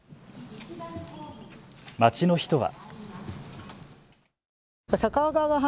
町の人は。